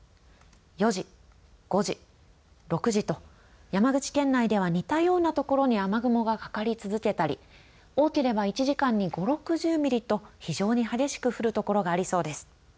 ４時、５時、６時と山口県内では似たようなところに雨雲がかかり続けたり多ければ１時間に５、６０ミリと非常に激しく降るところがありそうです。